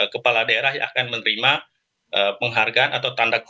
kepala daerah yang akan menerima penghargaan atau tanda kuti